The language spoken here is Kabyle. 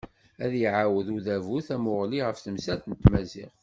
Ad iɛiwed udabu tamuɣli ɣef temsalt n tmaziɣt.